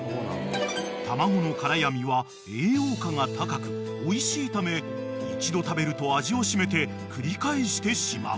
［卵の殻や身は栄養価が高くおいしいため一度食べると味を占めて繰り返してしまう］